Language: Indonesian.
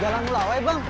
jalan melawai bang